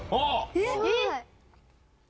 えっ！